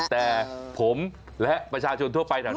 แต่ผมและประชาชนทั่วไปแถวนั้น